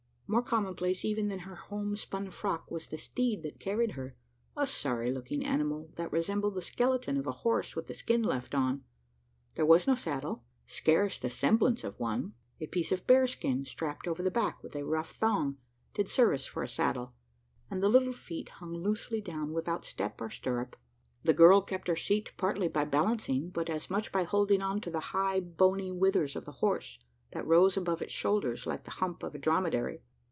More commonplace even than her homespun frock was the steed that carried her a sorry looking animal, that resembled the skeleton of a horse with the skin left on! There was no saddle scarce the semblance of one. A piece of bear skin, strapped over the back with a rough thong, did service for a saddle; and the little feet hung loosely down without step or stirrup. The girl kept her seat, partly by balancing, but as much by holding on to the high bony withers of the horse, that rose above his shoulders like the hump of a dromedary.